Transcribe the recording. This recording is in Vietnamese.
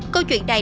câu chuyện này